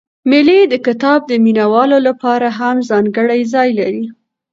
مېلې د کتاب د مینه والو له پاره هم ځانګړى ځای لري.